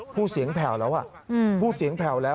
ผู้เสียงแผลวแล้วพี่